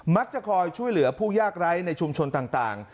มักจะคอยช่วยเหลือผู้ยากไร้ในชุมชนต่าง